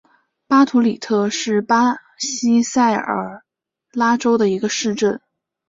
巴图里特是巴西塞阿拉州的一个市镇。